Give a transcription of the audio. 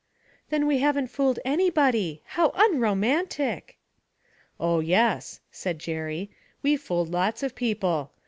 'Then we haven't fooled anybody. How unromantic!' 'Oh, yes,' said Jerry, 'we've fooled lots of people.